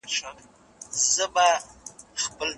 خپل ورېښتان په ښه ډول سره مدام په پوره ډول ږمنځ کړئ.